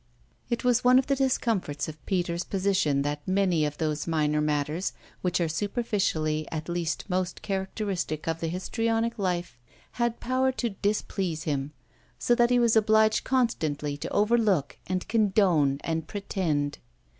It was one of the discomforts of Peter's position that many of those minor matters which are superficially at least most characteristic of the histrionic life had power to displease him, so that he was obliged constantly to overlook and condone and pretend.